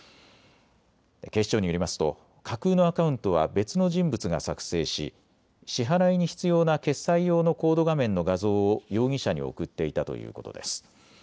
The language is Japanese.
警視庁によりますと架空のアカウントは別の人物が作成し支払いに必要な決済用のコード画面の画像を容疑者に送っていたということです。